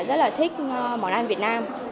rất là thích món ăn việt nam